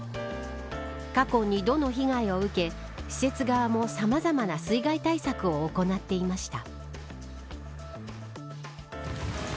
過去２度の被害を受け施設側も、さまざまな水害対策を行っていました。